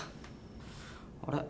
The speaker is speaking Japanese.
あれ？